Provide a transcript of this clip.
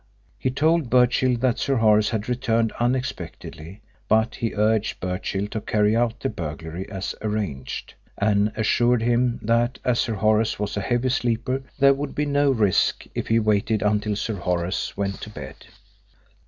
He told Birchill that Sir Horace had returned unexpectedly, but he urged Birchill to carry out the burglary as arranged, and assured him that as Sir Horace was a heavy sleeper there would be no risk if he waited until Sir Horace went to bed.